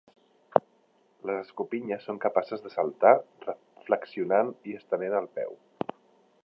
Les escopinyes són capaces de "saltar" flexionant i estenent el peu.